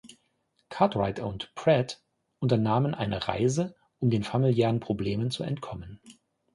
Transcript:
Cartwright und Pratt unternehmen eine Reise, um den familiären Problemen zu entkommen.